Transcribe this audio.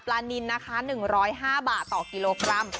ปลานิน๑๐๕บาทต่อกิโลกรัม